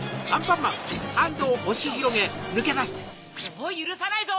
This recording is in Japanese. もうゆるさないぞ！